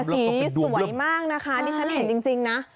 สีสวยมากนะคะที่ฉันเห็นจริงนะ